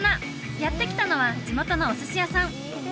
やって来たのは地元のお寿司屋さん